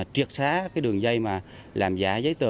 triệt xá đường dây làm giả giấy tờ